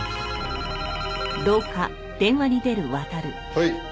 はい。